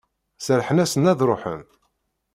Serrḥen-asen ad ruḥen?